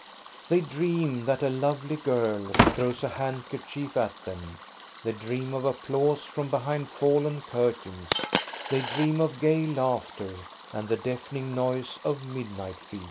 They dream that a lovely girl throws a handkerchief at them, they dream of applause from behind fallen curtains, they dream of gay laughter and the deafen ing noise of midnight feasts.